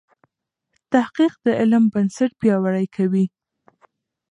تحقیق د علم بنسټ پیاوړی کوي.